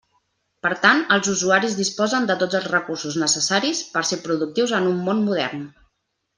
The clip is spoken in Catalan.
Per tant, els usuaris disposen de tots els recursos necessaris per ser productius en un món modern.